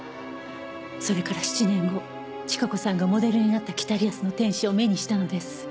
「それから７年後千加子さんがモデルになった『北リアスの天使』を目にしたのです」